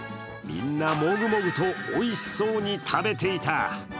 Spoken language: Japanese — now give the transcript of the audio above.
みんなモグモグとおいしそうに食べていた。